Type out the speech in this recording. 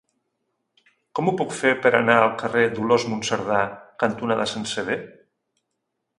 Com ho puc fer per anar al carrer Dolors Monserdà cantonada Sant Sever?